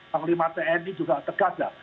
panglima tni juga tegas lah